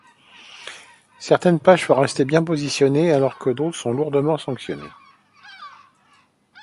Certaines pages peuvent rester bien positionnées alors que d'autres sont lourdement sanctionnés.